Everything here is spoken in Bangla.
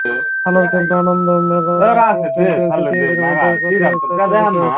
আলোর ক্যাম্পে আনন্দ মেলারংপুর ক্যাম্পের দ্বিতীয় দিনে মধ্যরাতে চলছে ওয়েবসাইট তৈরির কাজ।